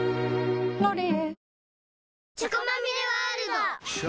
「ロリエ」